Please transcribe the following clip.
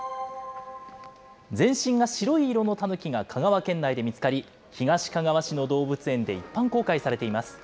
全身が白い色のタヌキが香川県内で見つかり、東かがわ市の動物園で一般公開されています。